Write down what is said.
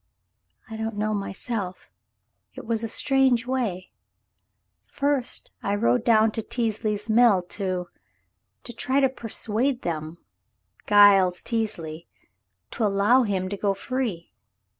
"I don't know myself. It was a strange way. First I rode down to Teasley's Mill to — to try to persuade them — Giles Teasley — to allow him to go free."